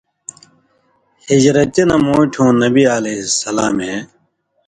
ہجرتی نہ مُوٹھیُوں نبی علیہ السلامے